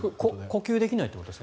呼吸ができない。